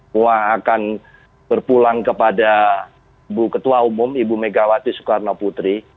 saya akan berpulang kepada ibu ketua umum ibu megawati soekarnoputri